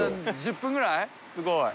すごい。